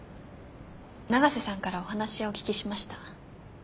永瀬さんからお話はお聞きしました。